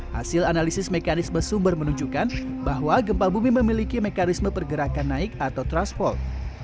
hasil analisis mekanisme sumber menunjukkan bahwa gempa bumi memiliki mekanisme pergerakan naik atau transport